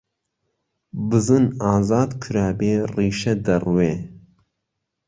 بزن ئازاد کرابێ، ڕیشە دەڕوێ!